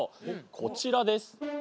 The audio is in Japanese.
こちらです。